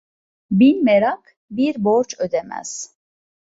Bin merak, bir borç ödemez.